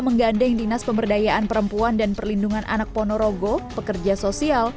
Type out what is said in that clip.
menggandeng dinas pemberdayaan perempuan dan perlindungan anak ponorogo pekerja sosial